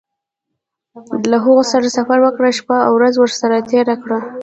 له هغوی سره سفر وکړه شپې او ورځې ورسره تېرې کړه.